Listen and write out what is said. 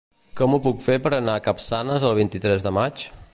Com ho puc fer per anar a Capçanes el vint-i-tres de maig?